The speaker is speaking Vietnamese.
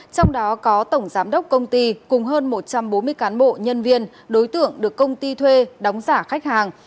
trong đó có tổng giám đốc công ty cùng hơn một trăm bốn mươi cán bộ nhân viên đối tượng được công ty thuê đóng giả khách hàng